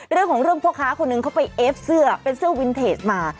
เรื่องของเรื่องพ่อค้าคนหนึ่งเขาไปเอฟเสื้อเป็นเสื้อวินเทจมา